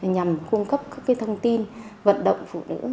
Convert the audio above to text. nhằm cung cấp các thông tin vận động phụ nữ